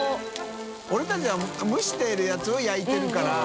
兇燭舛蒸してるやつを焼いてるから。